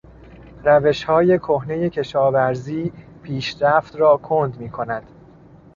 روشهای کهنهی کشاورزی پیشرفت را کند میکند.